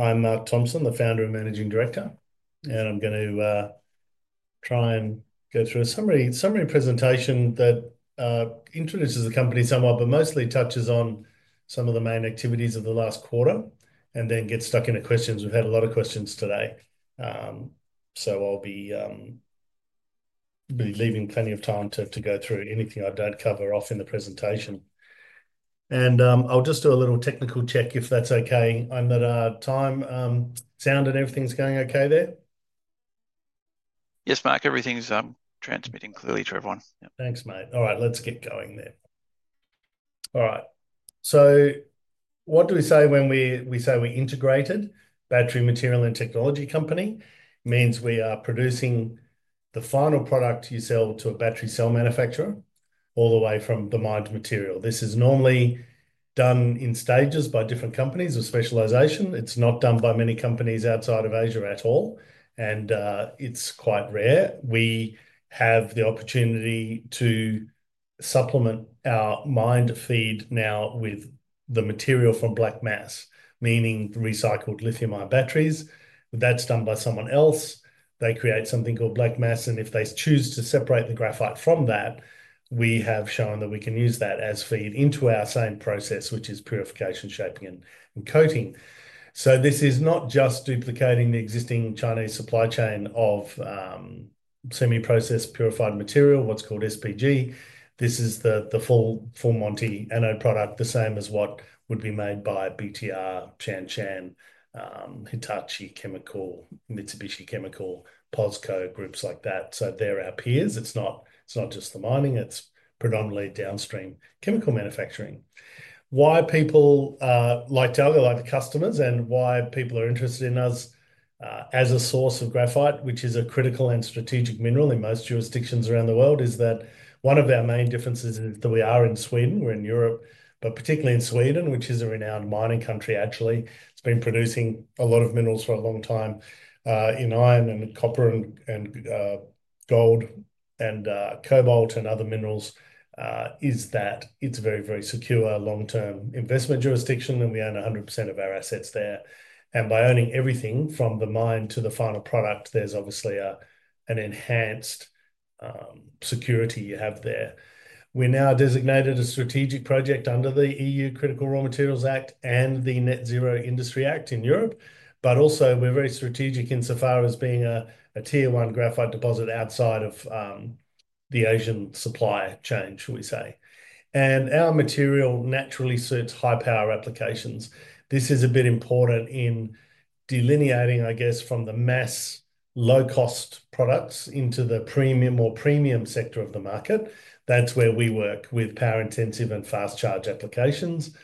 I'm Mark Thompson, the Founder and Managing Director, and I'm going to try and go through a summary presentation that introduces the company somewhat, but mostly touches on some of the main activities of the last quarter and then get stuck into questions. We've had a lot of questions today, so I'll be leaving plenty of time to go through anything I don't cover off in the presentation. I'll just do a little technical check, if that's okay. I'm at time. Sound and everything's going okay there? Yes, Mark. Everything's transmitting clearly to everyone. Thanks, mate. All right, let's get going then. All right. So what do we say when we say we're integrated? Battery material and technology company means we are producing the final product you sell to a battery cell manufacturer all the way from the mined material. This is normally done in stages by different companies of specialisation. It's not done by many companies outside of Asia at all, and it's quite rare. We have the opportunity to supplement our mined feed now with the material from black mass, meaning recycled lithium-ion batteries. That's done by someone else. They create something called black mass, and if they choose to separate the graphite from that, we have shown that we can use that as feed into our same process, which is purification, shaping, and coating. This is not just duplicating the existing Chinese supply chain of semi-processed purified material, what's called SPG. This is the full-Monty anode product, the same as what would be made by BTR, Shanshan, Hitachi Chemical, Mitsubishi Chemical, POSCO, groups like that. They're our peers. It's not just the mining. It's predominantly downstream chemical manufacturing. Why people like Talga, like the customers, and why people are interested in us as a source of graphite, which is a critical and strategic mineral in most jurisdictions around the world, is that one of our main differences is that we are in Sweden. We're in Europe, but particularly in Sweden, which is a renowned mining country, actually. It's been producing a lot of minerals for a long time in iron and copper and gold and cobalt and other minerals, is that it's a very, very secure long-term investment jurisdiction, and we own 100% of our assets there. By owning everything from the mine to the final product, there's obviously an enhanced security you have there. We're now designated a strategic project under the EU Critical Raw Materials Act and the Net Zero Industry Act in Europe, but also we're very strategic insofar as being a tier one graphite deposit outside of the Asian supply chain, shall we say. Our material naturally suits high-power applications. This is a bit important in delineating, I guess, from the mass low-cost products into the premium or premium sector of the market. That's where we work with power-intensive and fast-charge applications,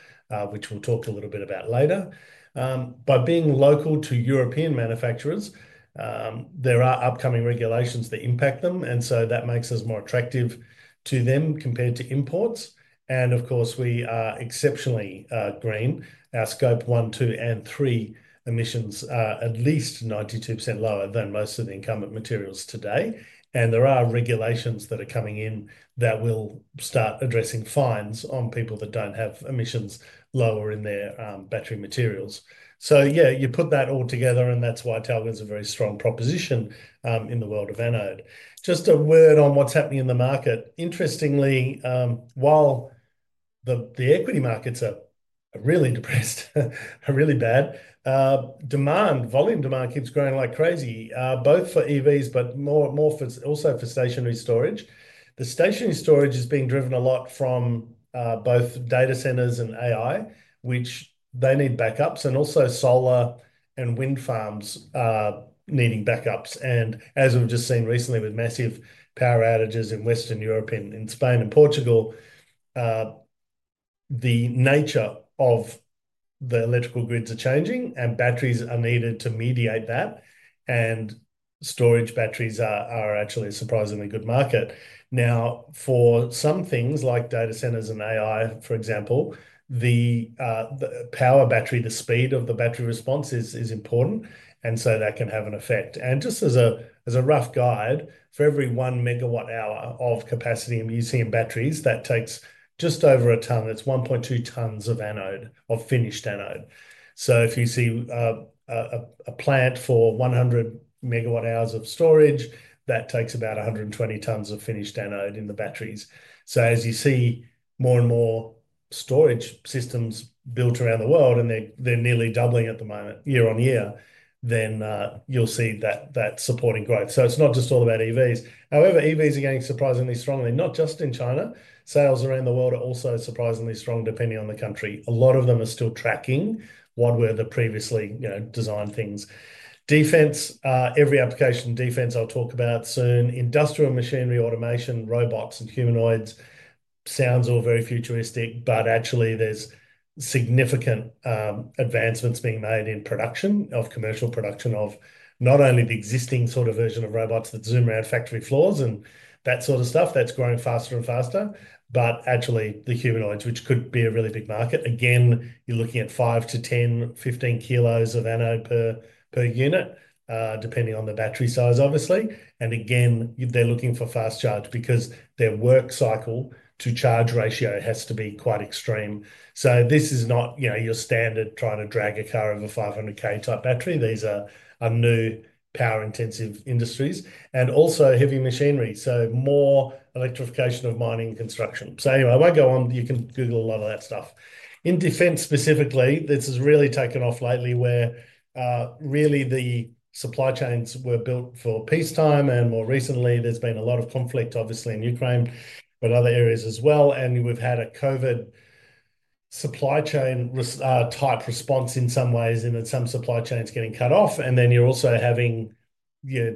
which we'll talk a little bit about later. By being local to European manufacturers, there are upcoming regulations that impact them, and that makes us more attractive to them compared to imports. Of course, we are exceptionally green. Our Scope One, Two, and Three emissions are at least 92% lower than most of the incumbent materials today. There are regulations that are coming in that will start addressing fines on people that do not have emissions lower in their battery materials. You put that all together, and that is why Talga is a very strong proposition in the world of anode. Just a word on what is happening in the market. Interestingly, while the equity markets are really depressed, are really bad, demand, volume demand keeps growing like crazy, both for EVs, but more also for stationary storage. The stationary storage is being driven a lot from both data centers and AI, which they need backups, and also solar and wind farms needing backups. As we've just seen recently with massive power outages in Western Europe, in Spain and Portugal, the nature of the electrical grids are changing, and batteries are needed to mediate that. Storage batteries are actually a surprisingly good market. Now, for some things like data centers and AI, for example, the power battery, the speed of the battery response is important, and so that can have an effect. Just as a rough guide, for every one megawatt hour of capacity and using batteries, that takes just over a tonne. It's 1.2 tonnes of anode, of finished anode. If you see a plant for 100 MWh of storage, that takes about 120 tonnes of finished anode in the batteries. As you see more and more storage systems built around the world, and they're nearly doubling at the moment year on year, you'll see that supporting growth. It's not just all about EVs. However, EVs are getting surprisingly strongly, not just in China. Sales around the world are also surprisingly strong depending on the country. A lot of them are still tracking what were the previously designed things. Defence, every application of defence I'll talk about soon. Industrial machinery, automation, robots and humanoids. Sounds all very futuristic, but actually there's significant advancements being made in production, of commercial production of not only the existing sort of version of robots that zoom around factory floors and that sort of stuff. That's growing faster and faster. Actually the humanoids, which could be a really big market. Again, you're looking at 5-10, 15 kilos of anode per unit, depending on the battery size, obviously. Again, they're looking for fast charge because their work cycle to charge ratio has to be quite extreme. This is not your standard trying to drag a car over 500 km type battery. These are new power-intensive industries and also heavy machinery. More electrification of mining and construction. Anyway, I won't go on. You can Google a lot of that stuff. In defense specifically, this has really taken off lately where really the supply chains were built for peacetime. More recently, there's been a lot of conflict, obviously in Ukraine, but other areas as well. We've had a COVID supply chain type response in some ways, and some supply chains getting cut off. Then you're also having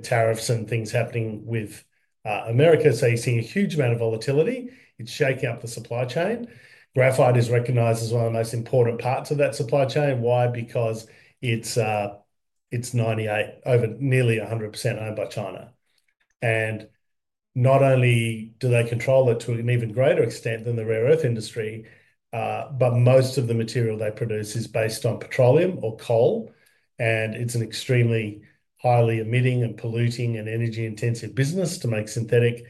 tariffs and things happening with America. You're seeing a huge amount of volatility. It's shaking up the supply chain. Graphite is recognized as one of the most important parts of that supply chain. Why? Because it's 98%, over nearly 100% owned by China. Not only do they control it to an even greater extent than the rare earth industry, but most of the material they produce is based on petroleum or coal. It's an extremely highly emitting and polluting and energy-intensive business to make synthetic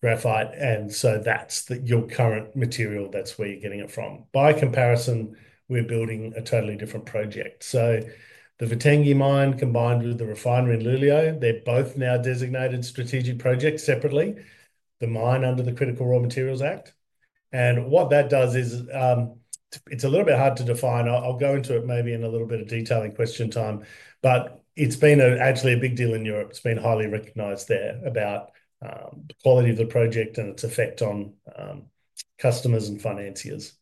graphite. That's your current material. That's where you're getting it from. By comparison, we're building a totally different project. The Vittangi mine combined with the refinery in Luleå, they're both now designated strategic projects separately. The mine under the Critical Raw Materials Act. What that does is it's a little bit hard to define. I'll go into it maybe in a little bit of detail in question time, but it's been actually a big deal in Europe. It's been highly recognized there about the quality of the project and its effect on customers and financiers.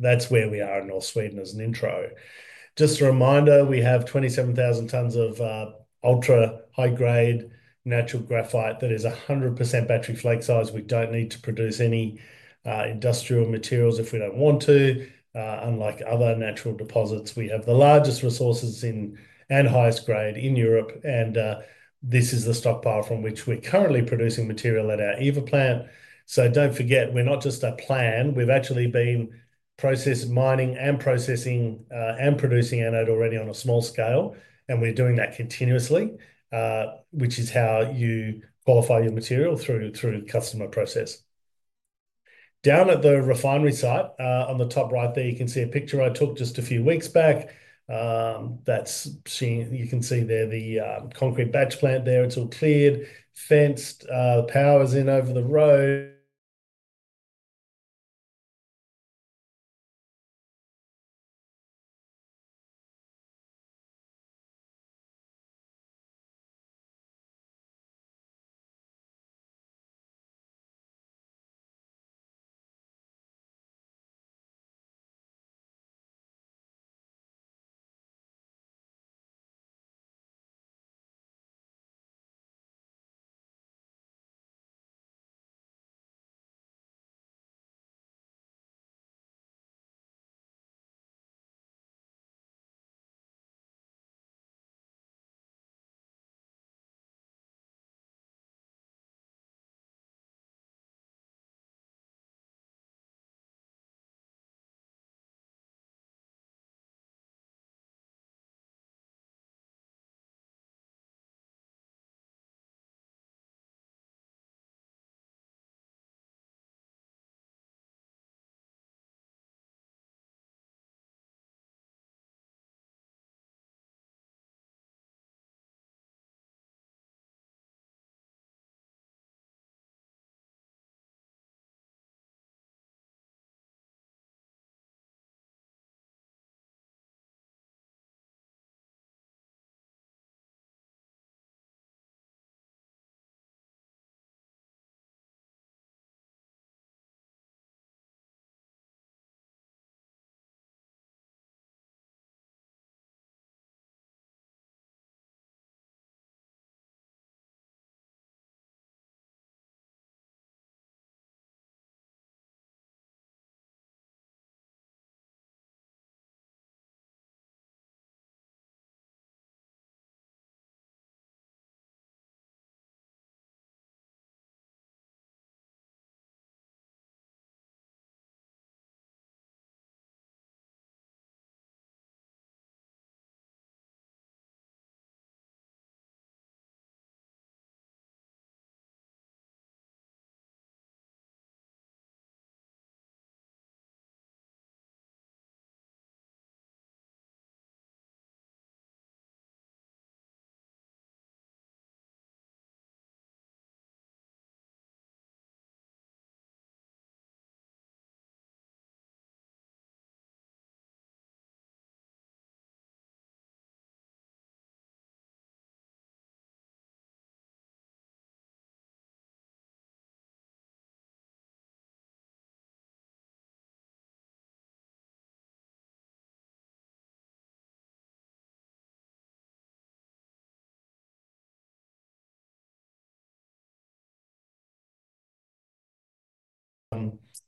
That's where we are in Northern Sweden as an intro. Just a reminder, we have 27,000 tonnes of ultra high-grade natural graphite that is 100% battery flake size. We don't need to produce any industrial materials if we don't want to, unlike other natural deposits. We have the largest resources and highest grade in Europe. This is the stockpile from which we're currently producing material at our EVA Plant. Don't forget, we're not just a plan. We've actually been mining and processing and producing anode already on a small scale. We're doing that continuously, which is how you qualify your material through customer process. Down at the refinery site on the top right there, you can see a picture I took just a few weeks back. You can see there the concrete batch plant there. It's all cleared, fenced, power is in over the road.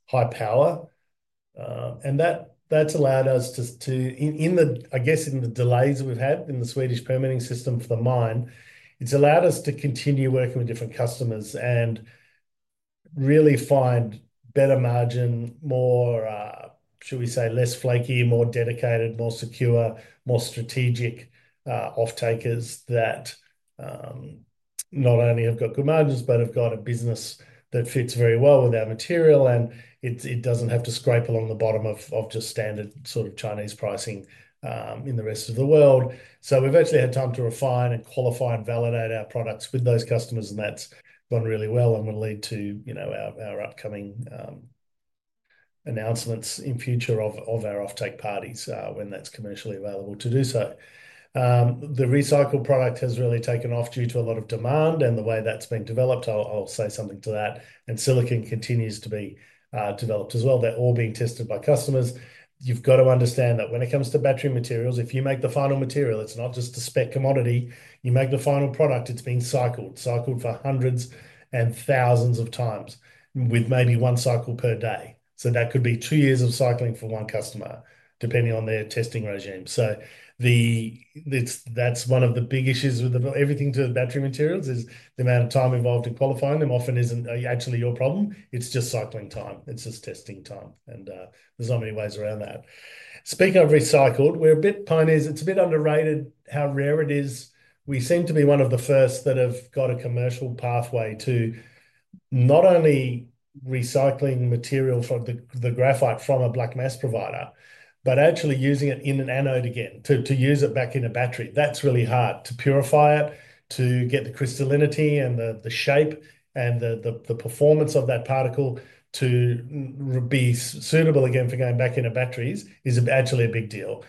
High power. That's allowed us to, I guess, in the delays we've had in the Swedish permitting system for the mine, it's allowed us to continue working with different customers and really find better margin, more, shall we say, less flaky, more dedicated, more secure, more strategic off-takers that not only have got good margins, but have got a business that fits very well with our material, and it doesn't have to scrape along the bottom of just standard sort of Chinese pricing in the rest of the world. We've actually had time to refine and qualify and validate our products with those customers, and that's gone really well and will lead to our upcoming announcements in future of our off-take parties when that's commercially available to do so. The recycled product has really taken off due to a lot of demand, and the way that's been developed, I'll say something to that. And silicon continues to be developed as well. They're all being tested by customers. You've got to understand that when it comes to battery materials, if you make the final material, it's not just a spec commodity. You make the final product, it's been cycled, cycled for hundreds and thousands of times with maybe one cycle per day. That could be two years of cycling for one customer, depending on their testing regime. That's one of the big issues with everything to do with battery materials is the amount of time involved in qualifying them often is not actually your problem. It is just cycling time. It is just testing time. There are not many ways around that. Speaking of recycled, we are a bit pioneers. It is a bit underrated how rare it is. We seem to be one of the first that have got a commercial pathway to not only recycling material from the graphite from a black mass provider, but actually using it in an anode again to use it back in a battery. That is really hard. To purify it, to get the crystallinity and the shape and the performance of that particle to be suitable again for going back into batteries is actually a big deal.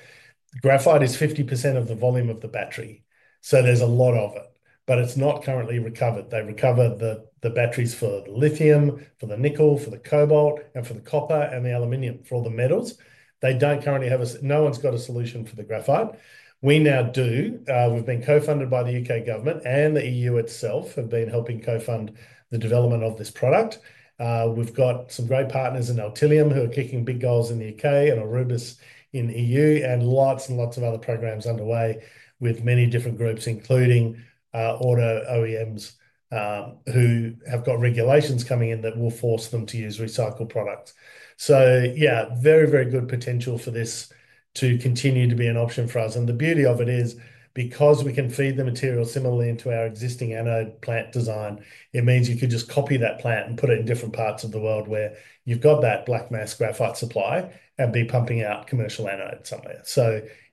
Graphite is 50% of the volume of the battery. There is a lot of it, but it is not currently recovered. They recover the batteries for the lithium, for the nickel, for the cobalt, and for the copper and the aluminium, for all the metals. They do not currently have a, no one has got a solution for the graphite. We now do. We have been co-funded by the U.K. government and the EU itself have been helping co-fund the development of this product. We have some great partners in Altilium who are kicking big goals in the U.K. and Robust in the EU and lots and lots of other programs underway with many different groups, including auto OEMs who have got regulations coming in that will force them to use recycled products. Very, very good potential for this to continue to be an option for us. The beauty of it is because we can feed the material similarly into our existing anode plant design, it means you could just copy that plant and put it in different parts of the world where you have that black mass graphite supply and be pumping out commercial anode somewhere.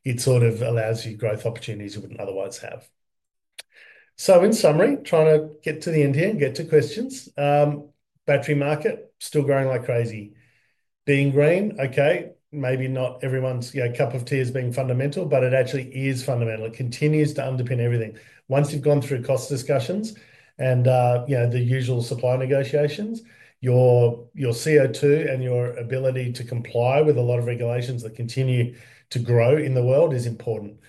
It sort of allows you growth opportunities you would not otherwise have. In summary, trying to get to the end here, get to questions. Battery market still growing like crazy. Being green, okay. Maybe not everyone's cup of tea is being fundamental, but it actually is fundamental. It continues to underpin everything. Once you have gone through cost discussions and the usual supply negotiations, your CO2 and your ability to comply with a lot of regulations that continue to grow in the world is important.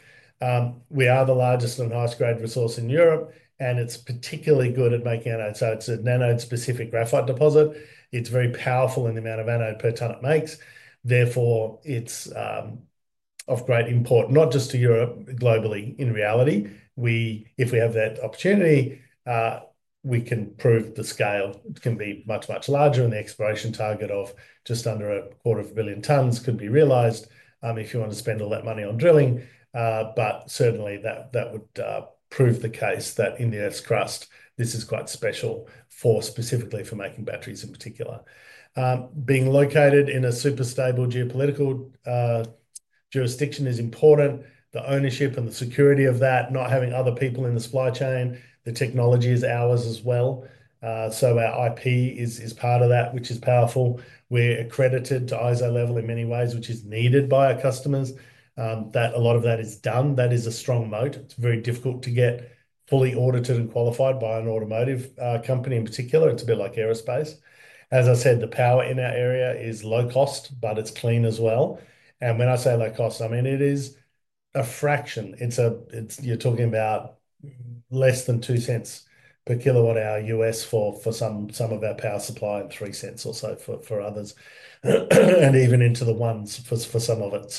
We are the largest and highest grade resource in Europe, and it's particularly good at making anode. So it's a nanode specific graphite deposit. It's very powerful in the amount of anode per tonne it makes. Therefore, it's of great import, not just to Europe, globally in reality. If we have that opportunity, we can prove the scale can be much, much larger and the exploration target of just under a quarter of a billion tonnes could be realized if you want to spend all that money on drilling. But certainly that would prove the case that in the earth's crust, this is quite special specifically for making batteries in particular. Being located in a super stable geopolitical jurisdiction is important. The ownership and the security of that, not having other people in the supply chain, the technology is ours as well. Our IP is part of that, which is powerful. We're accredited to ISO level in many ways, which is needed by our customers. A lot of that is done. That is a strong moat. It's very difficult to get fully audited and qualified by an automotive company in particular. It's a bit like aerospace. As I said, the power in our area is low cost, but it's clean as well. When I say low cost, I mean it is a fraction. You're talking about less than $0.02 per kWh U.S. for some of our power supply and $0.03 or so for others, and even into the ones for some of it.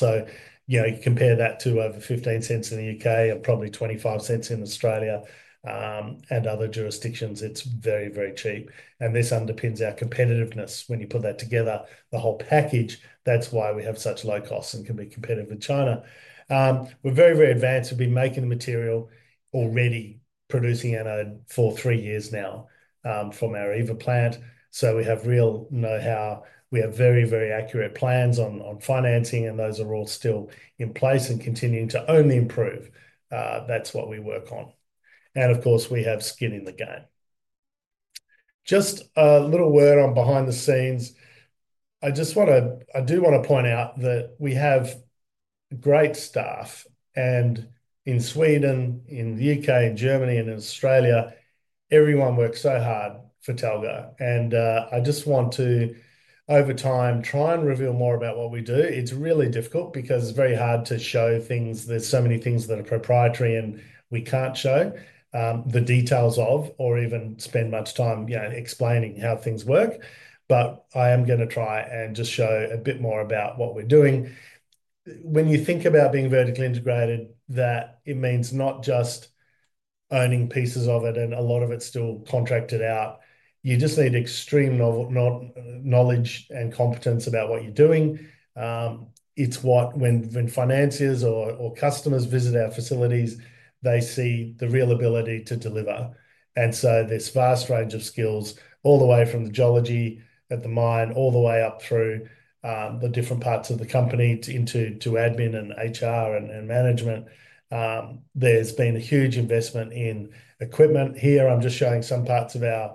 Compare that to over $0.15 in the U.K. and probably $0.25 in Australia and other jurisdictions. It's very, very cheap. This underpins our competitiveness. When you put that together, the whole package, that's why we have such low costs and can be competitive with China. We're very, very advanced. We've been making the material already, producing anode for three years now from our EVA Plant. We have real know-how. We have very, very accurate plans on financing, and those are all still in place and continuing to only improve. That's what we work on. Of course, we have skin in the game. Just a little word on behind the scenes. I just want to, I do want to point out that we have great staff. In Sweden, in the U.K., in Germany, and in Australia, everyone works so hard for Talga. I just want to, over time, try and reveal more about what we do. It's really difficult because it's very hard to show things. are so many things that are proprietary and we cannot show the details of or even spend much time explaining how things work. I am going to try and just show a bit more about what we are doing. When you think about being vertically integrated, it means not just owning pieces of it and a lot of it is still contracted out. You just need extreme knowledge and competence about what you are doing. It is what, when financiers or customers visit our facilities, they see—the real ability to deliver. There is a vast range of skills all the way from the geology at the mine, all the way up through the different parts of the company into admin and HR and management. There has been a huge investment in equipment here. I am just showing some parts of our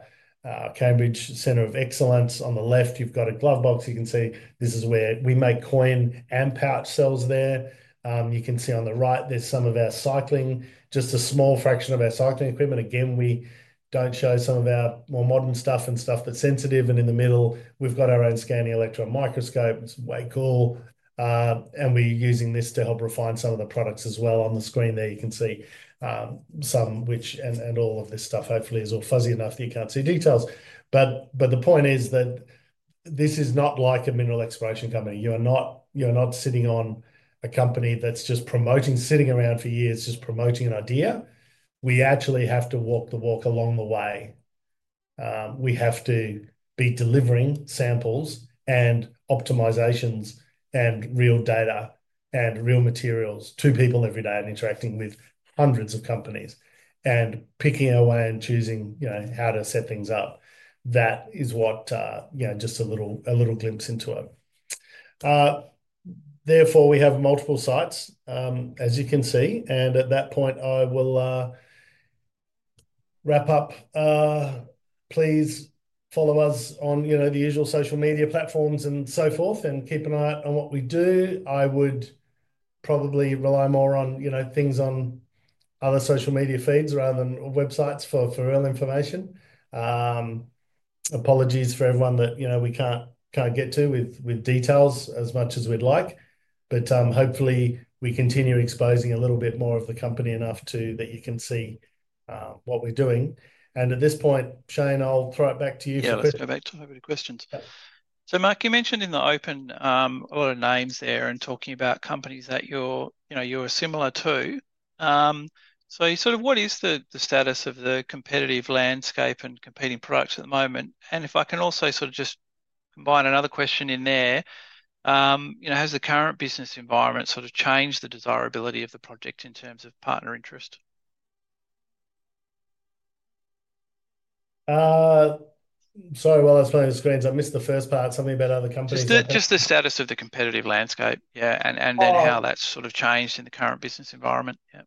Cambridge Centre of Excellence. On the left, you've got a glove box. You can see this is where we make coin and pouch cells there. You can see on the right, there's some of our cycling, just a small fraction of our cycling equipment. Again, we don't show some of our more modern stuff and stuff that's sensitive. In the middle, we've got our own scanning electron microscope. It's way cool. We're using this to help refine some of the products as well. On the screen there, you can see some, which and all of this stuff hopefully is all fuzzy enough that you can't see details. The point is that this is not like a mineral exploration company. You are not sitting on a company that's just promoting, sitting around for years, just promoting an idea. We actually have to walk the walk along the way. We have to be delivering samples and optimisations and real data and real materials to people every day and interacting with hundreds of companies and picking away and choosing how to set things up. That is just a little glimpse into it. Therefore, we have multiple sites, as you can see. At that point, I will wrap up. Please follow us on the usual social media platforms and so forth and keep an eye out on what we do. I would probably rely more on things on other social media feeds rather than websites for real information. Apologies for everyone that we can't get to with details as much as we'd like. Hopefully, we continue exposing a little bit more of the company enough that you can see what we're doing. At this point, Shane, I'll throw it back to you for questions. Yeah, let's go back to hoping for questions. Mark, you mentioned in the open a lot of names there and talking about companies that you're similar to. What is the status of the competitive landscape and competing products at the moment? If I can also just combine another question in there, has the current business environment changed the desirability of the project in terms of partner interest? Sorry, while I was playing the screens, I missed the first part, something about other companies. Just the status of the competitive landscape, yeah, and then how that's sort of changed in the current business environment. Yeah.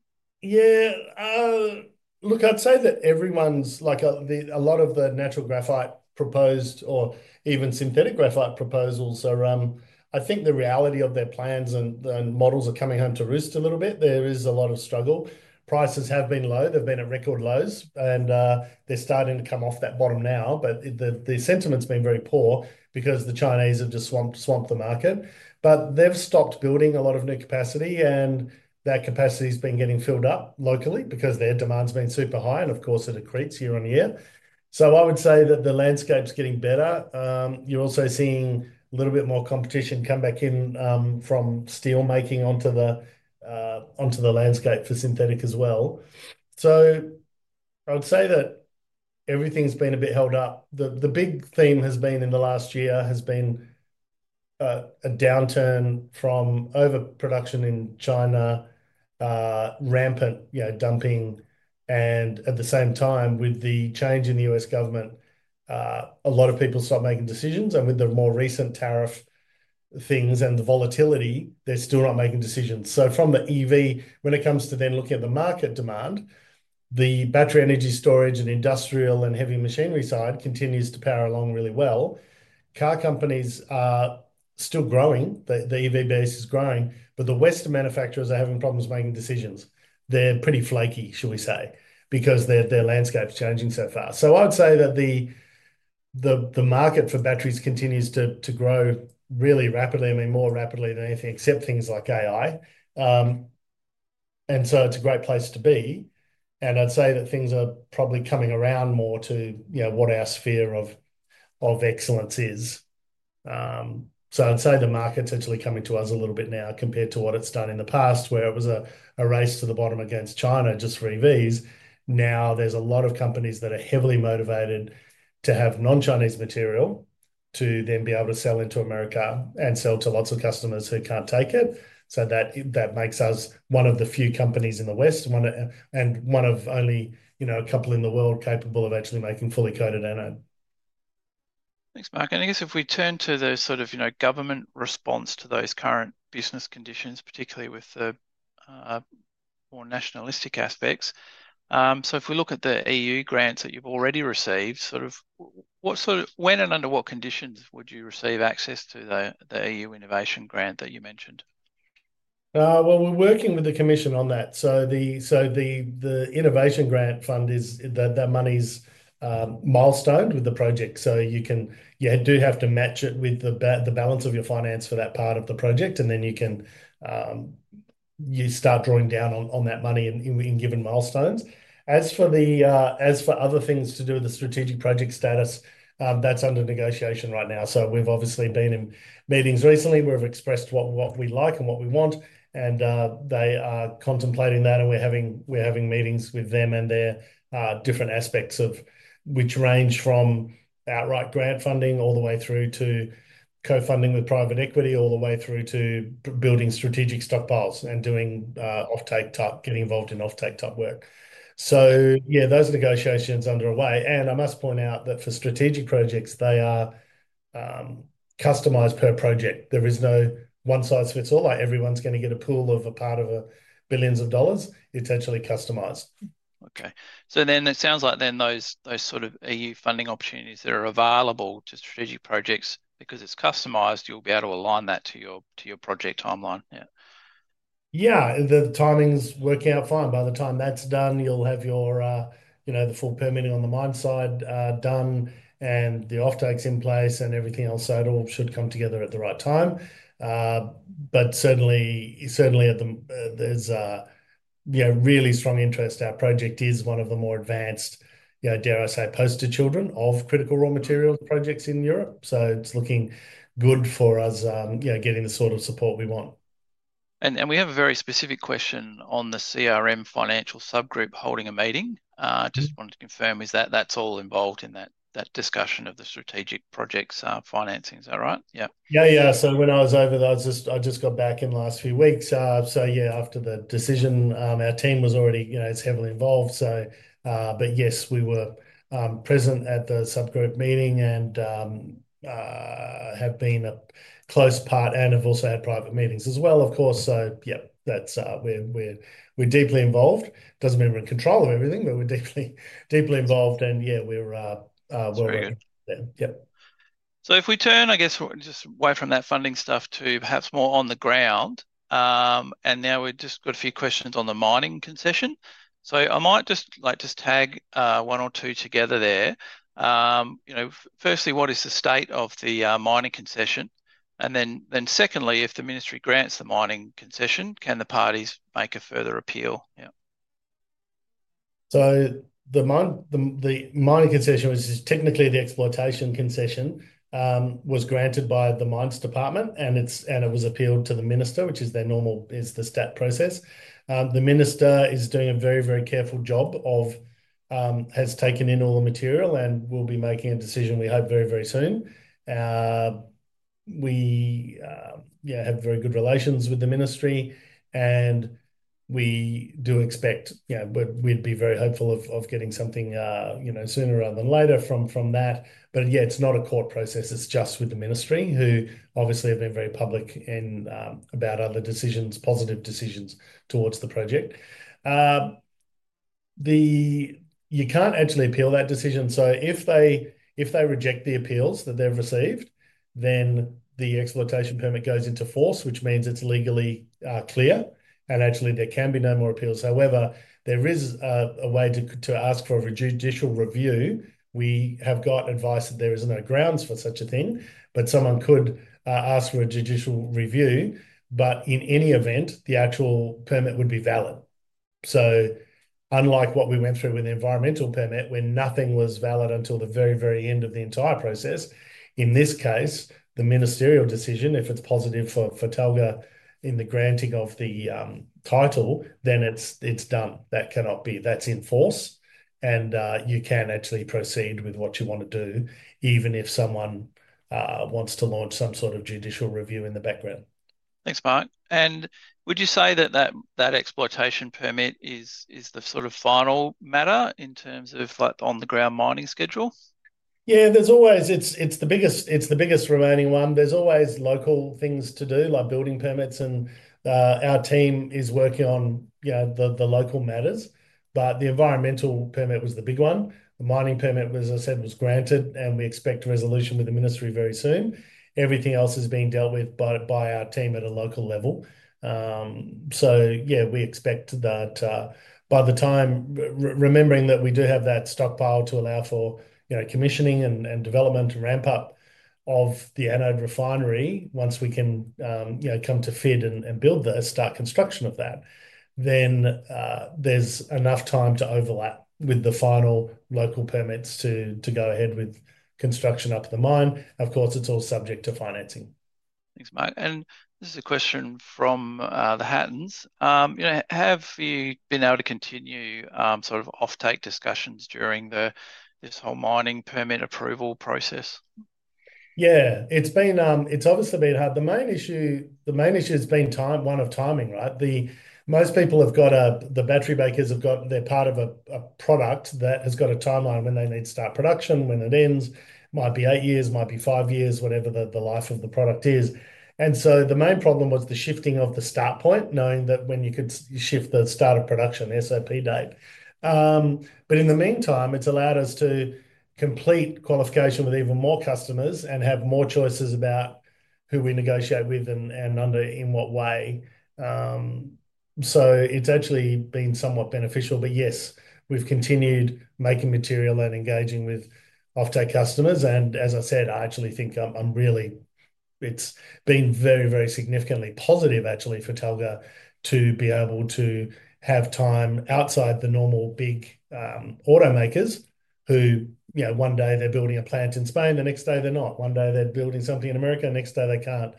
Yeah. Look, I'd say that everyone's, like a lot of the natural graphite proposed or even synthetic graphite proposals, I think the reality of their plans and models are coming home to risk a little bit. There is a lot of struggle. Prices have been low. They've been at record lows, and they're starting to come off that bottom now. The sentiment's been very poor because the Chinese have just swamped the market. They've stopped building a lot of new capacity, and that capacity has been getting filled up locally because their demand's been super high, and of course, it accretes year on year. I would say that the landscape's getting better. You're also seeing a little bit more competition come back in from steelmaking onto the landscape for synthetic as well. I would say that everything's been a bit held up. The big theme has been in the last year has been a downturn from overproduction in China, rampant dumping. At the same time, with the change in the U.S. government, a lot of people stopped making decisions. With the more recent tariff things and the volatility, they're still not making decisions. From the EV, when it comes to then looking at the market demand, the battery energy storage and industrial and heavy machinery side continues to power along really well. Car companies are still growing. The EV base is growing, but the Western manufacturers are having problems making decisions. They're pretty flaky, shall we say, because their landscape's changing so far. I would say that the market for batteries continues to grow really rapidly, I mean, more rapidly than anything except things like AI. It's a great place to be. I'd say that things are probably coming around more to what our sphere of excellence is. I'd say the market's actually coming to us a little bit now compared to what it's done in the past, where it was a race to the bottom against China just for EVs. Now there's a lot of companies that are heavily motivated to have non-Chinese material to then be able to sell into America and sell to lots of customers who can't take it. That makes us one of the few companies in the West and one of only a couple in the world capable of actually making fully coated anode. Thanks, Mark. I guess if we turn to the sort of government response to those current business conditions, particularly with the more nationalistic aspects. If we look at the EU grants that you've already received, sort of when and under what conditions would you receive access to the EU innovation grant that you mentioned? We're working with the Commission on that. The innovation grant fund, that money's milestoned with the project. You do have to match it with the balance of your finance for that part of the project. You start drawing down on that money in given milestones. As for other things to do with the strategic project status, that's under negotiation right now. We've obviously been in meetings recently. We've expressed what we like and what we want. They are contemplating that. We're having meetings with them and their different aspects, which range from outright grant funding all the way through to co-funding with private equity all the way through to building strategic stockpiles and getting involved in off-take type work. Those negotiations are underway. I must point out that for strategic projects, they are customised per project. There is no one size fits all. Everyone's going to get a pool of a part of billions of dollars. It's actually customised. Okay. So then it sounds like then those sort of EU funding opportunities that are available to strategic projects, because it's customized, you'll be able to align that to your project timeline. Yeah. Yeah. The timing's working out fine. By the time that's done, you'll have the full permitting on the mine side done and the off-takes in place and everything else. It all should come together at the right time. Certainly, there's really strong interest. Our project is one of the more advanced, dare I say, poster children of critical raw materials projects in Europe. It's looking good for us getting the sort of support we want. We have a very specific question on the CRM financial subgroup holding a meeting. Just wanted to confirm, is that all involved in that discussion of the strategic projects financing? Is that right? Yeah. Yeah, yeah. When I was over there, I just got back in the last few weeks. Yeah, after the decision, our team was already heavily involved. Yes, we were present at the subgroup meeting and have been a close part and have also had private meetings as well, of course. Yeah, we're deeply involved. It does not mean we're in control of everything, but we're deeply involved. Yeah, we're well. If we turn, I guess, just away from that funding stuff to perhaps more on the ground. Now we've just got a few questions on the mining concession. I might just tag one or two together there. Firstly, what is the state of the mining concession? Then secondly, if the ministry grants the mining concession, can the parties make a further appeal? Yeah. The mining concession, which is technically the exploitation concession, was granted by the Mines Department, and it was appealed to the minister, which is their normal stat process. The minister is doing a very, very careful job, has taken in all the material, and will be making a decision, we hope, very, very soon. We have very good relations with the ministry, and we do expect, we'd be very hopeful of getting something sooner rather than later from that. Yeah, it's not a court process. It's just with the ministry, who obviously have been very public about other decisions, positive decisions towards the project. You can't actually appeal that decision. If they reject the appeals that they've received, then the exploitation permit goes into force, which means it's legally clear. Actually, there can be no more appeals. However, there is a way to ask for a judicial review. We have got advice that there is no grounds for such a thing, but someone could ask for a judicial review. In any event, the actual permit would be valid. Unlike what we went through with the environmental permit, where nothing was valid until the very, very end of the entire process, in this case, the ministerial decision, if it's positive for Talga in the granting of the title, then it's done. That's in force. You can actually proceed with what you want to do, even if someone wants to launch some sort of judicial review in the background. Thanks, Mark. Would you say that that exploitation permit is the sort of final matter in terms of on-the-ground mining schedule? Yeah, it's the biggest remaining one. There's always local things to do, like building permits. Our team is working on the local matters. The environmental permit was the big one. The mining permit, as I said, was granted, and we expect resolution with the ministry very soon. Everything else is being dealt with by our team at a local level. Yeah, we expect that by the time, remembering that we do have that stockpile to allow for commissioning and development and ramp-up of the anode refinery once we can come to fit and build the start construction of that, then there's enough time to overlap with the final local permits to go ahead with construction up at the mine. Of course, it's all subject to financing. Thanks, Mark. This is a question from the Hattons. Have you been able to continue sort of off-take discussions during this whole mining permit approval process? Yeah, it's obviously been hard. The main issue has been one of timing, right? Most people have got the battery makers have got their part of a product that has got a timeline when they need to start production, when it ends. It might be eight years, might be five years, whatever the life of the product is. The main problem was the shifting of the start point, knowing that when you could shift the start of production, the SOP date. In the meantime, it's allowed us to complete qualification with even more customers and have more choices about who we negotiate with and under in what way. It's actually been somewhat beneficial. Yes, we've continued making material and engaging with off-take customers. I actually think it's been very, very significantly positive, actually, for Talga to be able to have time outside the normal big automakers who one day they're building a plant in Spain, the next day they're not. One day they're building something in America, the next day they can't.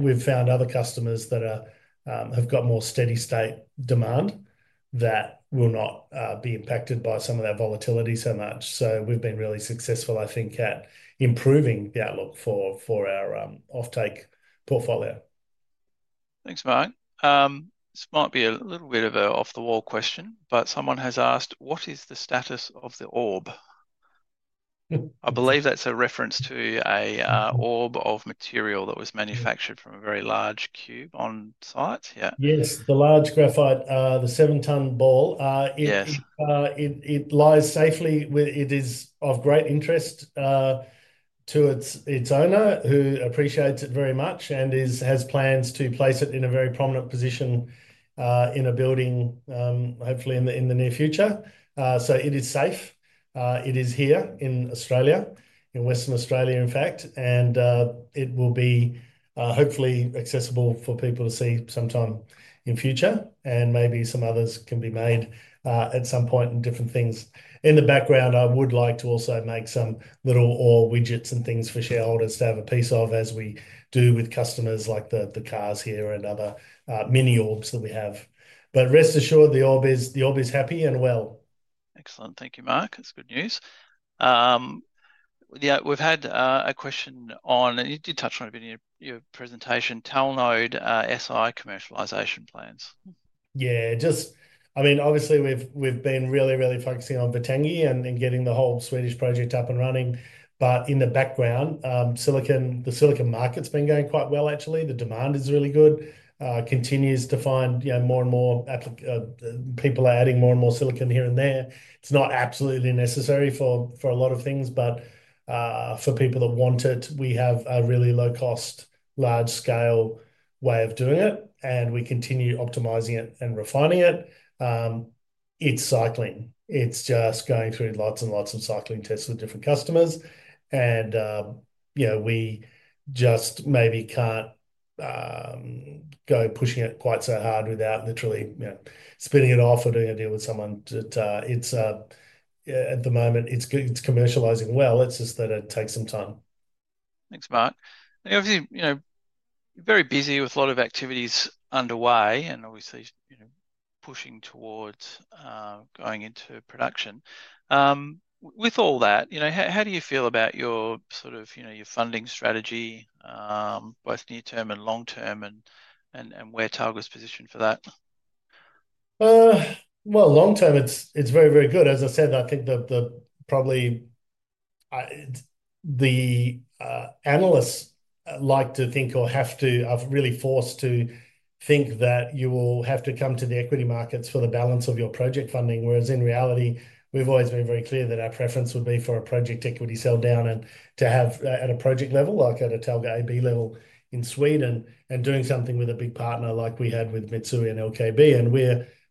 We've found other customers that have got more steady-state demand that will not be impacted by some of that volatility so much. We've been really successful, I think, at improving the outlook for our off-take portfolio. Thanks, Mark. This might be a little bit of an off-the-wall question, but someone has asked, what is the status of the orb? I believe that's a reference to an orb of material that was manufactured from a very large cube on site. Yeah. Yes, the large graphite, the seven-ton ball. It lies safely. It is of great interest to its owner, who appreciates it very much and has plans to place it in a very prominent position in a building, hopefully in the near future. It is safe. It is here in Australia, in Western Australia, in fact. It will be hopefully accessible for people to see sometime in future. Maybe some others can be made at some point in different things. In the background, I would like to also make some little orb widgets and things for shareholders to have a piece of, as we do with customers like the cars here and other mini orbs that we have. Rest assured, the orb is happy and well. Excellent. Thank you, Mark. That's good news. Yeah, we've had a question on, and you did touch on it in your presentation, Talnode-Si commercialisation plans. Yeah, just I mean, obviously, we've been really, really focusing on Vittangi and getting the whole Swedish project up and running. But in the background, the silicon market's been going quite well, actually. The demand is really good, continues to find more and more people are adding more and more silicon here and there. It's not absolutely necessary for a lot of things, but for people that want it, we have a really low-cost, large-scale way of doing it. We continue optimizing it and refining it. It's cycling. It's just going through lots and lots of cycling tests with different customers. We just maybe can't go pushing it quite so hard without literally spinning it off or doing a deal with someone. At the moment, it's commercializing well. It's just that it takes some time. Thanks, Mark. Obviously, you're very busy with a lot of activities underway and obviously pushing towards going into production. With all that, how do you feel about your sort of funding strategy, both near-term and long-term, and where Talga's positioned for that? Long-term, it's very, very good. As I said, I think that probably the analysts like to think or are really forced to think that you will have to come to the equity markets for the balance of your project funding. Whereas in reality, we've always been very clear that our preference would be for a project equity sell down and to have at a project level, like at a Talga AB level in Sweden, and doing something with a big partner like we had with Mitsui and LKAB.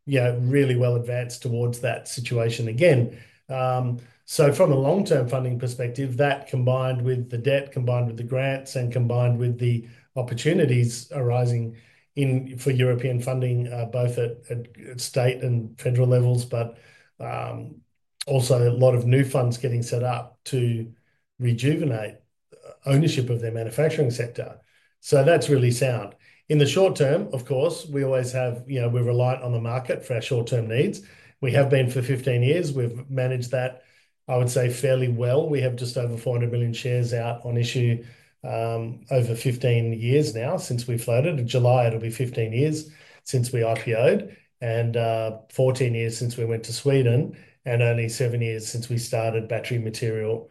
We're really well advanced towards that situation again. From a long-term funding perspective, that combined with the debt, combined with the grants, and combined with the opportunities arising for European funding, both at state and federal levels, but also a lot of new funds getting set up to rejuvenate ownership of their manufacturing sector. That's really sound. In the short term, of course, we always have we're reliant on the market for our short-term needs. We have been for 15 years. We've managed that, I would say, fairly well. We have just over 400 million shares out on issue over 15 years now since we floated. In July, it'll be 15 years since we IPO'd and 14 years since we went to Sweden and only seven years since we started battery material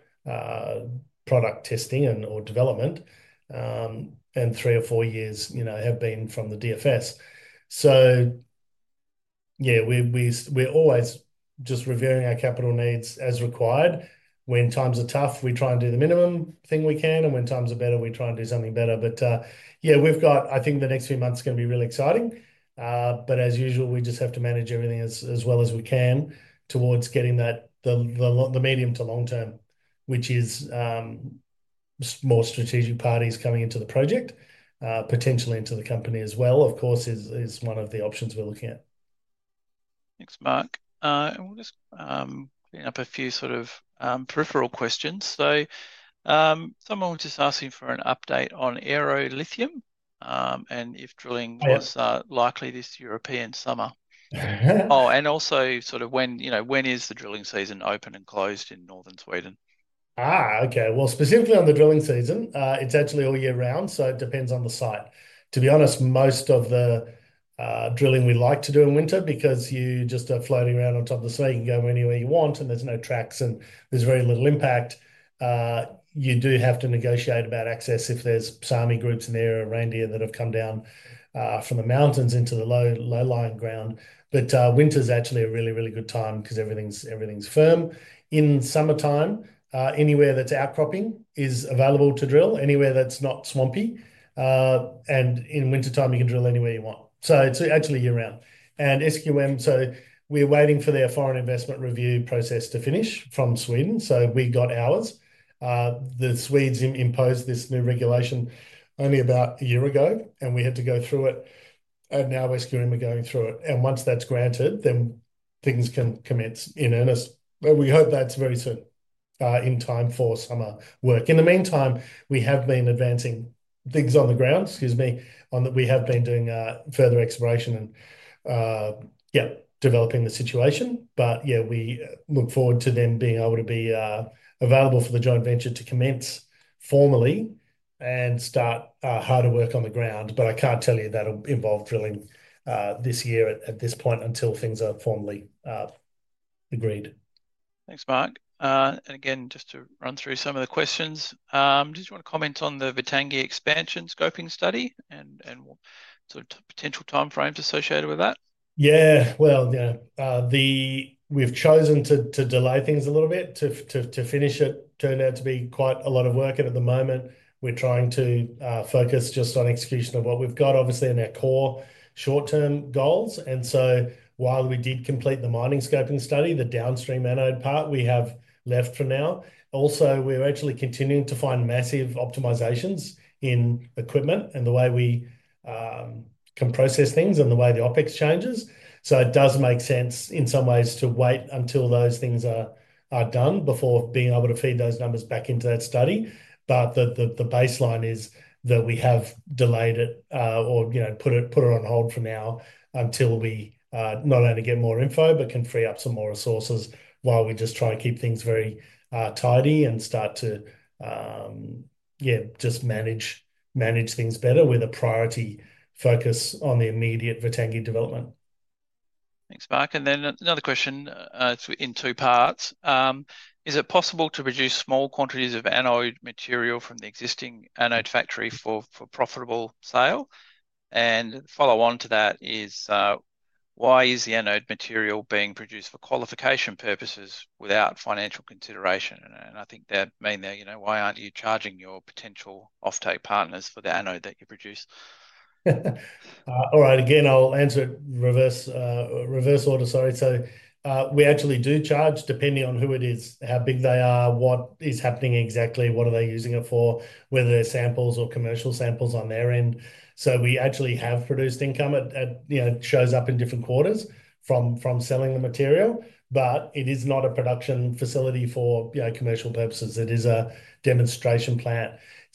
product testing and/or development. Three or four years have been from the DFS. Yeah, we're always just reviewing our capital needs as required. When times are tough, we try and do the minimum thing we can. When times are better, we try and do something better. Yeah, I think the next few months are going to be really exciting. As usual, we just have to manage everything as well as we can towards getting the medium to long-term, which is more strategic parties coming into the project, potentially into the company as well, of course, is one of the options we're looking at. Thanks, Mark. We'll just bring up a few sort of peripheral questions. Someone was just asking for an update on Aero Lithium and if drilling was likely this European summer. Oh, and also sort of when is the drilling season open and closed in northern Sweden? Okay. Specifically on the drilling season, it's actually all year round. It depends on the site. To be honest, most of the drilling we like to do in winter, because you just are floating around on top of the snow. You can go anywhere you want, and there's no tracks, and there's very little impact. You do have to negotiate about access if there's Sámi groups in there or reindeer that have come down from the mountains into the low-lying ground. Winter's actually a really, really good time because everything's firm. In summertime, anywhere that's outcropping is available to drill, anywhere that's not swampy. In wintertime, you can drill anywhere you want. It's actually year round. SQM, we're waiting for their foreign investment review process to finish from Sweden. We got ours. The Swedes imposed this new regulation only about a year ago, and we had to go through it. Now SQM are going through it. Once that's granted, then things can commence in earnest. We hope that's very soon in time for summer work. In the meantime, we have been advancing things on the ground, excuse me, on that we have been doing further exploration and, yeah, developing the situation. Yeah, we look forward to them being able to be available for the joint venture to commence formally and start harder work on the ground. I can't tell you that'll involve drilling this year at this point until things are formally agreed. Thanks, Mark. Again, just to run through some of the questions. Did you want to comment on the Vittangi expansion scoping study and sort of potential timeframes associated with that? Yeah. Yeah, we've chosen to delay things a little bit to finish it. Turned out to be quite a lot of work. At the moment, we're trying to focus just on execution of what we've got, obviously, in our core short-term goals. While we did complete the mining scoping study, the downstream anode part, we have left for now. Also, we're actually continuing to find massive optimizations in equipment and the way we can process things and the way the OpEx changes. It does make sense in some ways to wait until those things are done before being able to feed those numbers back into that study. The baseline is that we have delayed it or put it on hold for now until we not only get more info, but can free up some more resources while we just try and keep things very tidy and start to, yeah, just manage things better with a priority focus on the immediate Vittangi development. Thanks, Mark. Another question in two parts. Is it possible to produce small quantities of anode material from the existing anode factory for profitable sale? The follow-on to that is, why is the anode material being produced for qualification purposes without financial consideration? I think that may mean, why aren't you charging your potential off-take partners for the anode that you produce? All right. Again, I'll answer it reverse order, sorry. So we actually do charge depending on who it is, how big they are, what is happening exactly, what are they using it for, whether they're samples or commercial samples on their end. So we actually have produced income. It shows up in different quarters from selling the material. It is not a production facility for commercial purposes. It is a demonstration plant.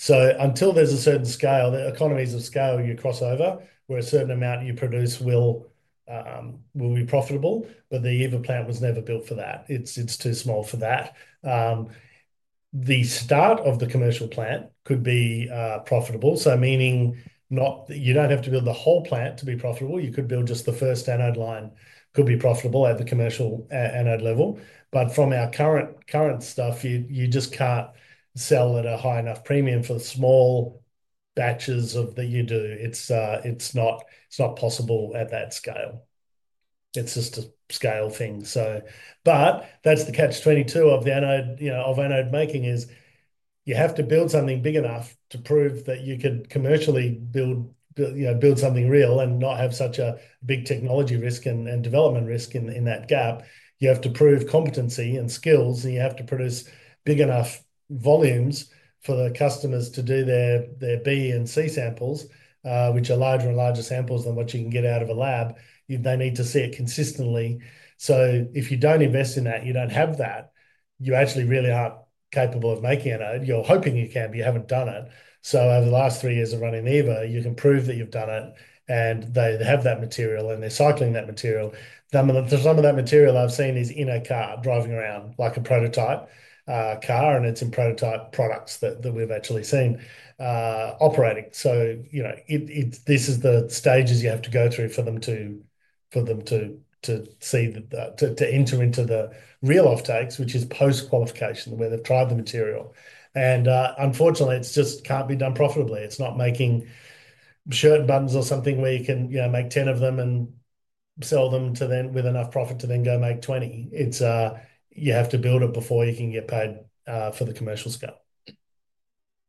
Until there's a certain scale, the economies of scale, you cross over, where a certain amount you produce will be profitable. The EVA Plant was never built for that. It's too small for that. The start of the commercial plant could be profitable. Meaning you don't have to build the whole plant to be profitable. You could build just the first anode line could be profitable at the commercial anode level. From our current stuff, you just can't sell at a high enough premium for the small batches that you do. It's not possible at that scale. It's just a scale thing. That's the catch-22 of anode making: you have to build something big enough to prove that you can commercially build something real and not have such a big technology risk and development risk in that gap. You have to prove competency and skills, and you have to produce big enough volumes for the customers to do their B and C samples, which are larger and larger samples than what you can get out of a lab. They need to see it consistently. If you don't invest in that, you don't have that, you actually really aren't capable of making anode. You're hoping you can, but you haven't done it. Over the last three years of running EVA, you can prove that you've done it, and they have that material, and they're cycling that material. Some of that material I've seen is in a car driving around like a prototype car, and it's in prototype products that we've actually seen operating. This is the stages you have to go through for them to see that, to enter into the real off-takes, which is post-qualification, where they've tried the material. Unfortunately, it just can't be done profitably. It's not making shirt and buttons or something where you can make 10 of them and sell them with enough profit to then go make 20. You have to build it before you can get paid for the commercial scale.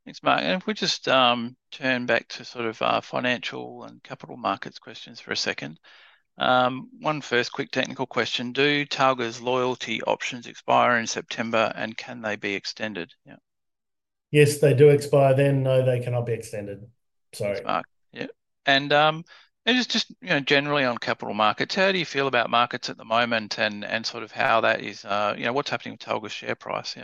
Thanks, Mark. If we just turn back to sort of financial and capital markets questions for a second. One first quick technical question. Do Talga's loyalty options expire in September, and can they be extended? Yes, they do expire then. No, they cannot be extended. Sorry. Thanks, Mark. Yeah. Just generally on capital markets, how do you feel about markets at the moment and sort of how that is what's happening with Talga's share price?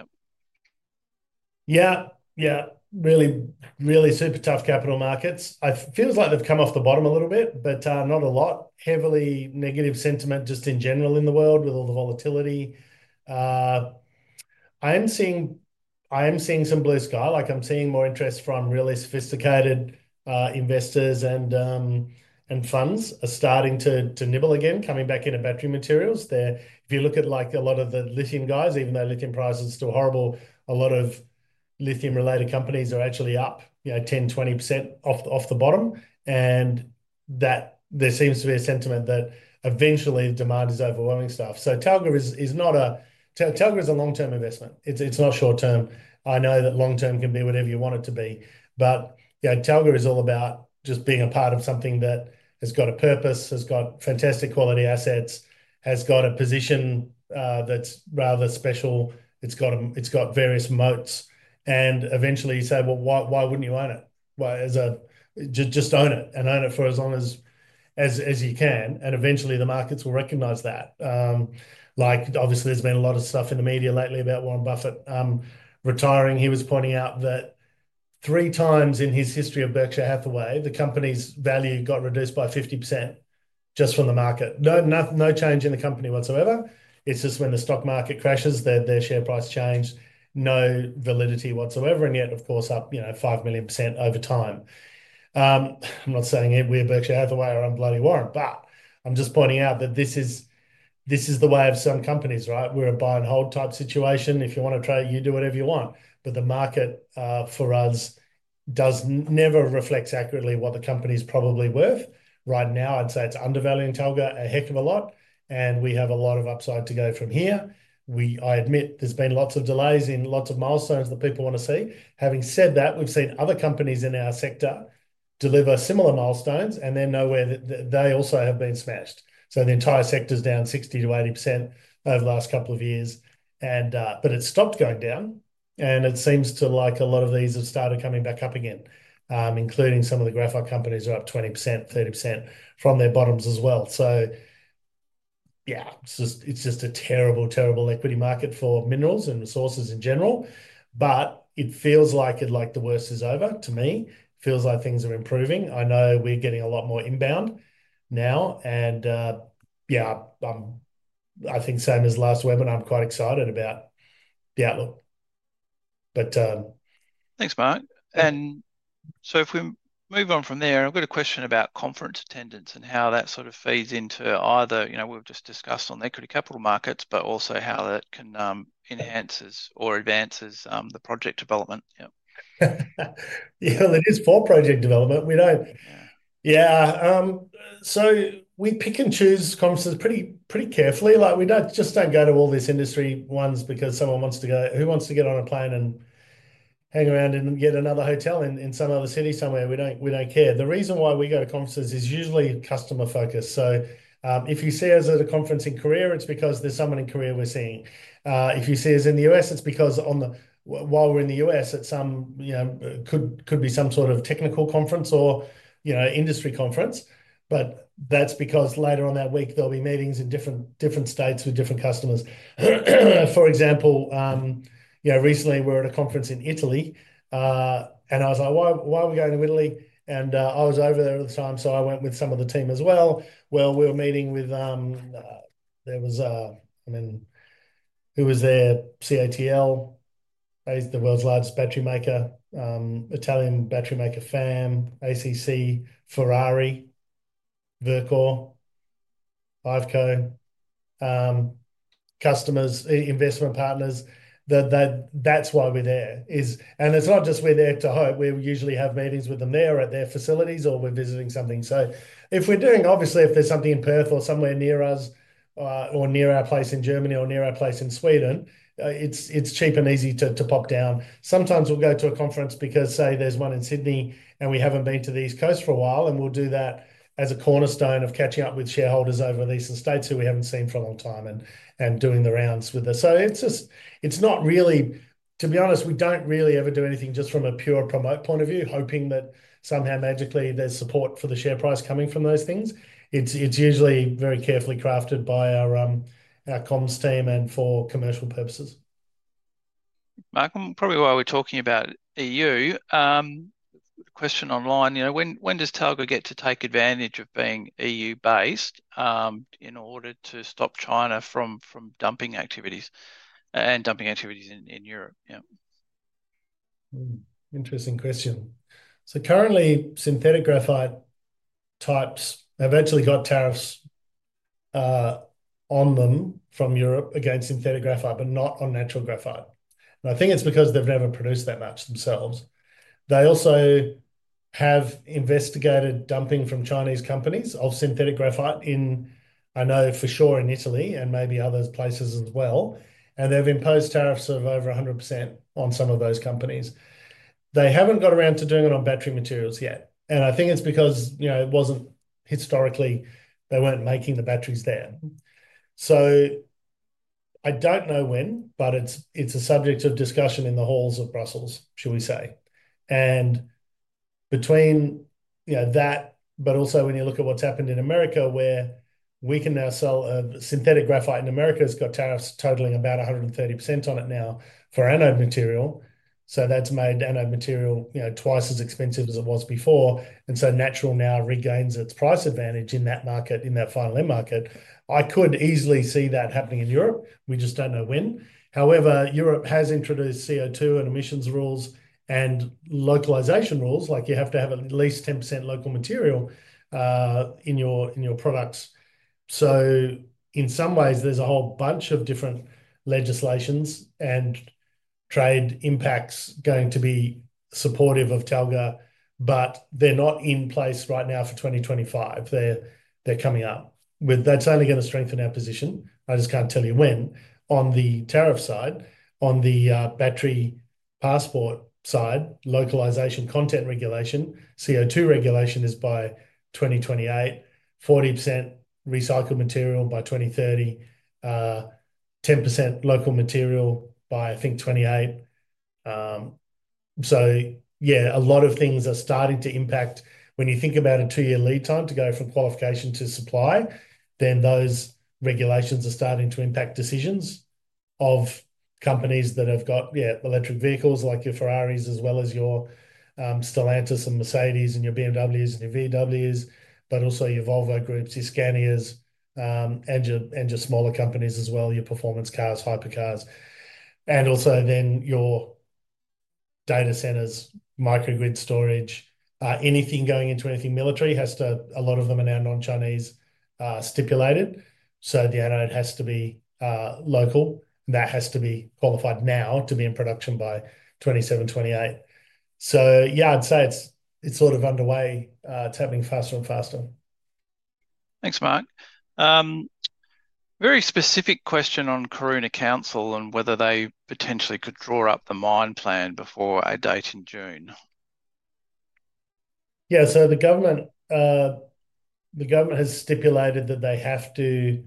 Yeah, yeah. Really, really super tough capital markets. It feels like they've come off the bottom a little bit, but not a lot. Heavily negative sentiment just in general in the world with all the volatility. I am seeing some blue sky. I'm seeing more interest from really sophisticated investors and funds are starting to nibble again, coming back into battery materials. If you look at a lot of the lithium guys, even though lithium prices are still horrible, a lot of lithium-related companies are actually up 10%-20% off the bottom. There seems to be a sentiment that eventually demand is overwhelming stuff. Talga is a long-term investment. It's not short-term. I know that long-term can be whatever you want it to be. Talga is all about just being a part of something that has got a purpose, has got fantastic quality assets, has got a position that's rather special. It has got various moats. Eventually, you say, "Why wouldn't you own it? Just own it and own it for as long as you can." Eventually, the markets will recognize that. Obviously, there has been a lot of stuff in the media lately about Warren Buffett retiring. He was pointing out that three times in his history of Berkshire Hathaway, the company's value got reduced by 50% just from the market. No change in the company whatsoever. It is just when the stock market crashes, their share price changed. No validity whatsoever. Yet, of course, up 5 million percent over time. I'm not saying we at Berkshire Hathaway are unbloody warrant, but I'm just pointing out that this is the way of some companies, right? We're a buy-and-hold type situation. If you want to trade, you do whatever you want. The market for us does never reflect accurately what the company's probably worth. Right now, I'd say it's undervaluing Talga a heck of a lot. We have a lot of upside to go from here. I admit there's been lots of delays in lots of milestones that people want to see. Having said that, we've seen other companies in our sector deliver similar milestones, and then nowhere they also have been smashed. The entire sector's down 60%-80% over the last couple of years. It's stopped going down. It seems like a lot of these have started coming back up again, including some of the graphite companies who are up 20%-30% from their bottoms as well. Yeah, it is just a terrible, terrible equity market for minerals and resources in general. It feels like the worst is over to me. It feels like things are improving. I know we are getting a lot more inbound now. Yeah, I think same as last webinar, I am quite excited about the outlook. Thanks, Mark. If we move on from there, I've got a question about conference attendance and how that sort of feeds into either we've just discussed on the equity capital markets, but also how that enhances or advances the project development. Yeah, it is for project development. Yeah. We pick and choose conferences pretty carefully. We just do not go to all these industry ones because someone wants to go, who wants to get on a plane and hang around and get another hotel in some other city somewhere. We do not care. The reason why we go to conferences is usually customer focus. If you see us at a conference in Korea, it is because there is someone in Korea we are seeing. If you see us in the U.S., it is because while we are in the U.S., it could be some sort of technical conference or industry conference. That is because later on that week, there will be meetings in different states with different customers. For example, recently, we were at a conference in Italy. I was like, "Why are we going to Italy?" I was over there at the time, so I went with some of the team as well. We were meeting with, there was, I mean, who was there? CATL, the world's largest battery maker, Italian battery maker FAAM, ACC, Ferrari, Verkor, Iveco, customers, investment partners. That's why we're there. It's not just we're there to hope. We usually have meetings with them there at their facilities or we're visiting something. If we're doing, obviously, if there's something in Perth or somewhere near us or near our place in Germany or near our place in Sweden, it's cheap and easy to pop down. Sometimes we'll go to a conference because, say, there's one in Sydney, and we haven't been to the East Coast for a while, and we'll do that as a cornerstone of catching up with shareholders over in the eastern states who we haven't seen for a long time and doing the rounds with them. It is not really, to be honest, we don't really ever do anything just from a pure promote point of view, hoping that somehow magically there's support for the share price coming from those things. It is usually very carefully crafted by our comms team and for commercial purposes. Mark, probably while we're talking about EU, a question online. When does Talga get to take advantage of being EU-based in order to stop China from dumping activities and dumping activities in Europe? Interesting question. Currently, synthetic graphite types have actually got tariffs on them from Europe against synthetic graphite, but not on natural graphite. I think it's because they've never produced that much themselves. They also have investigated dumping from Chinese companies of synthetic graphite in, I know for sure, in Italy and maybe other places as well. They've imposed tariffs of over 100% on some of those companies. They haven't got around to doing it on battery materials yet. I think it's because it wasn't historically they weren't making the batteries there. I don't know when, but it's a subject of discussion in the halls of Brussels, shall we say. Between that, when you look at what's happened in America, where we can now sell synthetic graphite, America has got tariffs totaling about 130% on it now for anode material. That's made anode material twice as expensive as it was before. Natural now regains its price advantage in that market, in that final end market. I could easily see that happening in Europe. We just do not know when. However, Europe has introduced CO2 and emissions rules and localisation rules. You have to have at least 10% local material in your products. In some ways, there is a whole bunch of different legislations and trade impacts going to be supportive of Talga, but they are not in place right now for 2025. They are coming up. That is only going to strengthen our position. I just cannot tell you when. On the tariff side, on the battery passport side, localisation content regulation, CO2 regulation is by 2028, 40% recycled material by 2030, 10% local material by, I think, 2028. A lot of things are starting to impact. When you think about a two-year lead time to go from qualification to supply, then those regulations are starting to impact decisions of companies that have got, yeah, electric vehicles like your Ferraris as well as your Stellantis and Mercedes and your BMWs and your VWs, but also your Volvo Groups, your Scanias, and your smaller companies as well, your performance cars, hypercars. Also then your data centers, microgrid storage. Anything going into anything military has to, a lot of them are now non-Chinese stipulated. The anode has to be local. That has to be qualified now to be in production by 2027, 2028. Yeah, I'd say it's sort of underway. It's happening faster and faster. Thanks, Mark. Very specific question on Coruña Council and whether they potentially could draw up the mine plan before a date in June. Yeah. The government has stipulated that they have to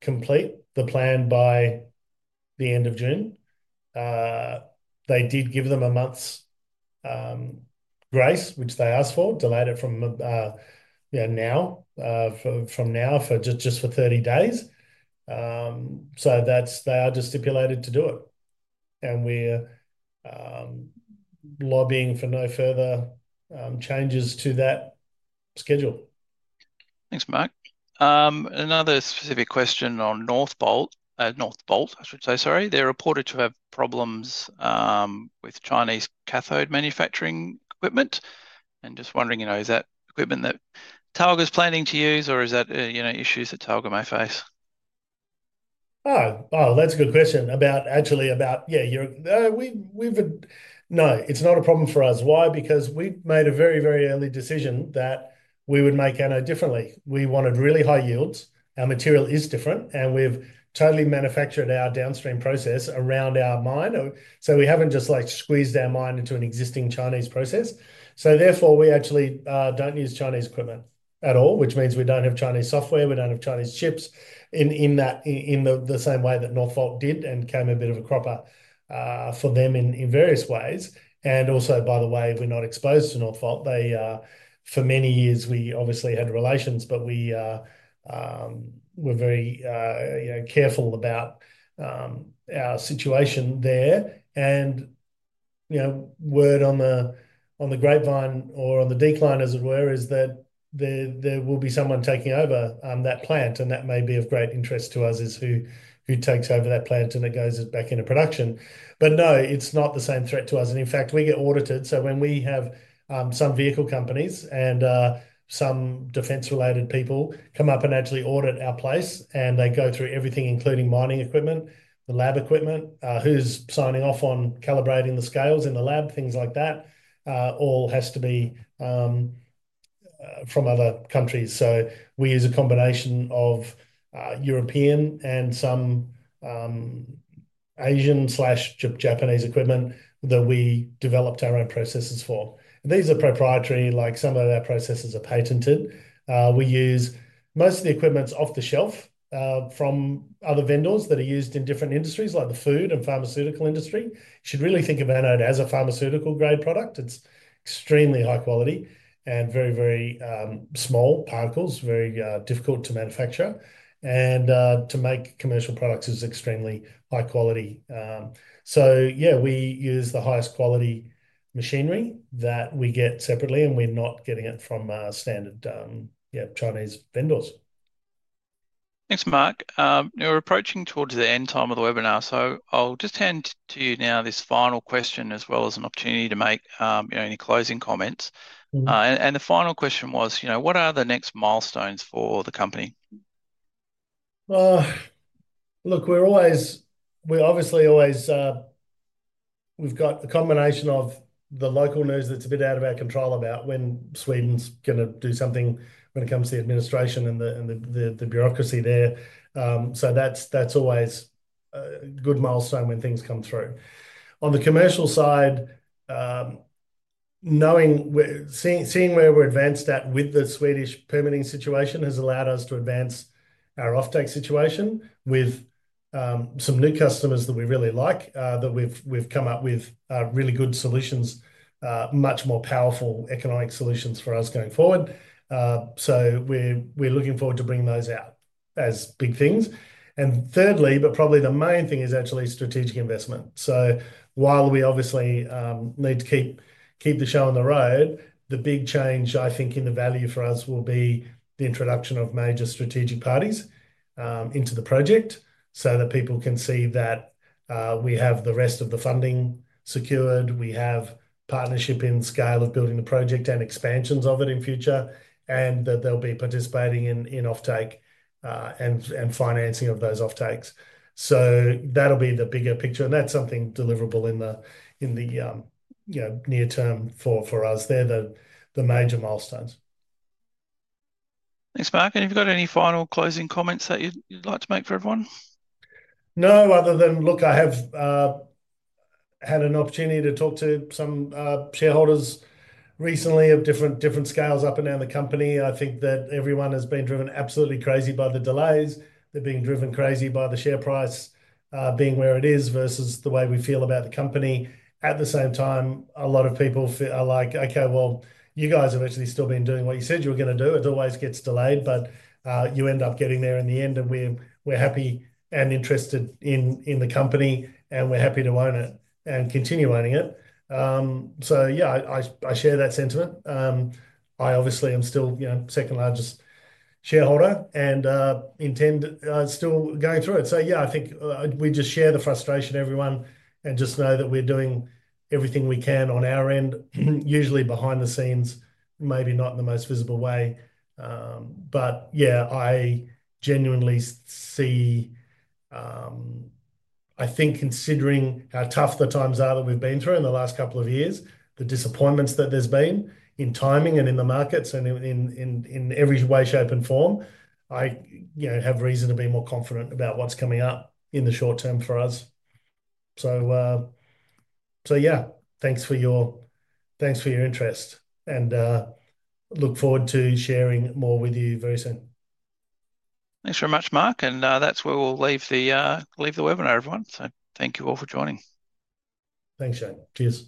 complete the plan by the end of June. They did give them a month's grace, which they asked for, delayed it from now for just 30 days. They are just stipulated to do it. We're lobbying for no further changes to that schedule. Thanks, Mark. Another specific question on Northvolt, I should say, sorry. They're reported to have problems with Chinese cathode manufacturing equipment. Just wondering, is that equipment that Talga is planning to use, or is that issues that Talga may face? Oh, that's a good question. Actually, about, yeah, we've no, it's not a problem for us. Why? Because we made a very, very early decision that we would make anode differently. We wanted really high yields. Our material is different. And we've totally manufactured our downstream process around our mine. We haven't just squeezed our mine into an existing Chinese process. Therefore, we actually don't use Chinese equipment at all, which means we don't have Chinese software. We don't have Chinese chips in the same way that Northvolt did and came a bit of a cropper for them in various ways. Also, by the way, we're not exposed to Northvolt. For many years, we obviously had relations, but we were very careful about our situation there. Word on the grapevine, or on the decline as it were, is that there will be someone taking over that plant. That may be of great interest to us as to who takes over that plant and it goes back into production. No, it's not the same threat to us. In fact, we get audited. When we have some vehicle companies and some defense-related people come up and actually audit our place, they go through everything, including mining equipment, the lab equipment, who's signing off on calibrating the scales in the lab, things like that. All has to be from other countries. We use a combination of European and some Asian/Japanese equipment that we developed our own processes for. These are proprietary. Some of our processes are patented. We use most of the equipment off the shelf from other vendors that are used in different industries like the food and pharmaceutical industry. You should really think about it as a pharmaceutical-grade product. It's extremely high quality and very, very small particles, very difficult to manufacture. To make commercial products is extremely high quality. Yeah, we use the highest quality machinery that we get separately, and we're not getting it from standard Chinese vendors. Thanks, Mark. We're approaching towards the end time of the webinar. I'll just hand to you now this final question as well as an opportunity to make any closing comments. The final question was, what are the next milestones for the company? Obviously, we've got the combination of the local news that's a bit out of our control about when Sweden's going to do something when it comes to the administration and the bureaucracy there. That's always a good milestone when things come through. On the commercial side, seeing where we're advanced at with the Swedish permitting situation has allowed us to advance our offtake situation with some new customers that we really like, that we've come up with really good solutions, much more powerful economic solutions for us going forward. We're looking forward to bringing those out as big things. Thirdly, but probably the main thing is actually strategic investment. While we obviously need to keep the show on the road, the big change, I think, in the value for us will be the introduction of major strategic parties into the project so that people can see that we have the rest of the funding secured, we have partnership in scale of building the project and expansions of it in future, and that they'll be participating in offtake and financing of those offtakes. That'll be the bigger picture. That is something deliverable in the near term for us. They're the major milestones. Thanks, Mark. Have you got any final closing comments that you'd like to make for everyone? No, other than, look, I have had an opportunity to talk to some shareholders recently of different scales up and down the company. I think that everyone has been driven absolutely crazy by the delays. They're being driven crazy by the share price being where it is versus the way we feel about the company. At the same time, a lot of people are like, "Okay, you guys have actually still been doing what you said you were going to do. It always gets delayed, but you end up getting there in the end." We are happy and interested in the company, and we are happy to own it and continue owning it. Yeah, I share that sentiment. I obviously am still second largest shareholder and still going through it. Yeah, I think we just share the frustration, everyone, and just know that we're doing everything we can on our end, usually behind the scenes, maybe not in the most visible way. Yeah, I genuinely see, I think, considering how tough the times are that we've been through in the last couple of years, the disappointments that there's been in timing and in the markets and in every way, shape, and form, I have reason to be more confident about what's coming up in the short term for us. Yeah, thanks for your interest. I look forward to sharing more with you very soon. Thanks very much, Mark. That is where we will leave the webinar, everyone. Thank you all for joining. Thanks, Shane. Cheers.